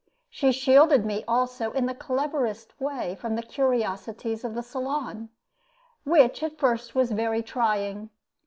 She shielded me also in the cleverest way from the curiosity of the saloon, which at first was very trying.